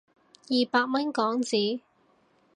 二百蚊港紙